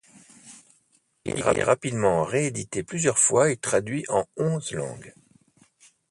Il est rapidement réédité plusieurs fois et traduit en onze langues.